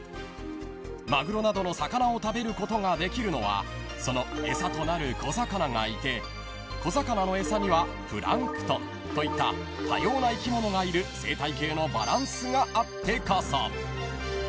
［マグロなどの魚を食べることができるのはその餌となる小魚がいて小魚の餌にはプランクトンといった多様な生き物がいる生態系のバランスがあってこそ］